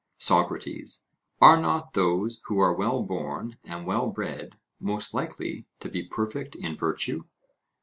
SOCRATES: Are not those who are well born and well bred most likely to be perfect in virtue?